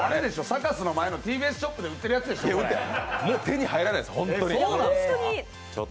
サカスの前のＴＢＳショップで売ってるやつでしょ。